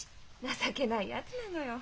情けないやつなのよ。